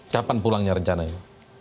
kapan pulangnya rencananya